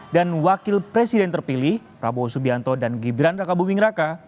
wakil presiden terpilih prabowo subianto dan gibran raka buming raka